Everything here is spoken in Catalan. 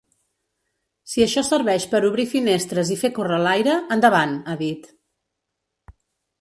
Si això serveix per obrir finestres i fer córrer l’aire, endavant, ha dit.